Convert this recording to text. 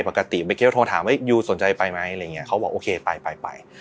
ปกติเมื่อกี้ก็โทรถามว่ายูสนใจไปไหมอะไรอย่างเงี้เขาบอกโอเคไปไป